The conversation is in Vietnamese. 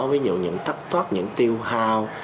ví dụ những tắt thoát những tiêu hao